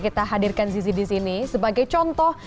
kita hadirkan zizi disini sebagai contoh